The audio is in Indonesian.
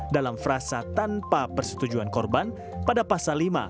dalam frasa tanpa persetujuan korban pada pasal lima